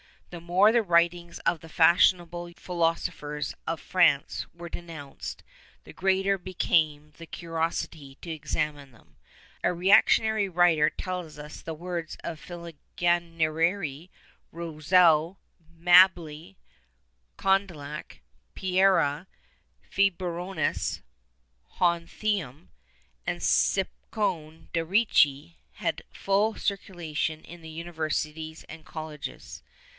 The more the writings of the fashionable philosophers of France were denounced, the greater became the curiosity to examine them. A reactionary writer tells us that the works of Filangieri, Rousseau, Mably, Condillac, Pereira, Febronius (Hontheim) and Scipione de'Ricci had full circulation in the universities and colleges.